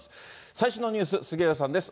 最新のニュース、杉上さんです。